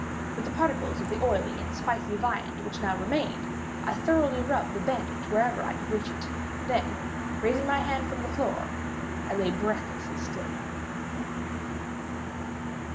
With the particles of the oily and spicy viand which now remained, I thoroughly rubbed the bandage wherever I could reach it; then, raising my hand from the floor, I lay breathlessly still.